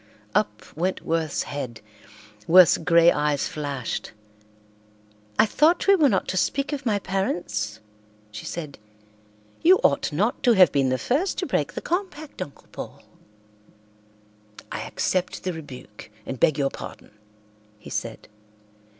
Up went Worth's head. Worth's grey eyes flashed. "I thought we were not to speak of my parents?" she said. "You ought not to have been the first to break the compact, Uncle Paul." "I accept the rebuke and beg your pardon," he said.